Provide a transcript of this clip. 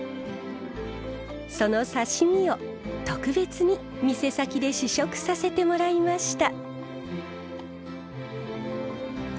その刺身を特別に店先で試食させてもらいました。